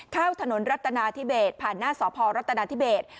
เข้าถนนรัฐนาธิเบสผ่านหน้าสพรัฐนาธิเบส